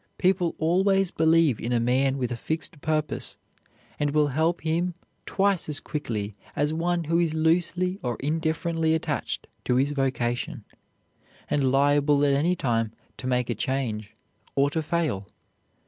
People always believe in a man with a fixed purpose, and will help him twice as quickly as one who is loosely or indifferently attached to his vocation, and liable at any time to make a change, or to fail.